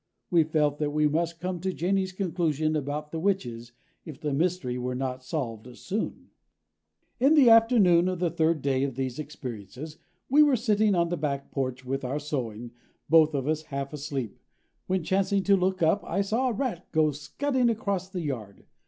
We felt that we must come to Janey's conclusion about the witches, if the mystery were not solved soon. In the afternoon of the third day of these experiences we were sitting on the back porch with our sewing, both of us half asleep, when chancing to look up I saw a rat go scudding across the yard.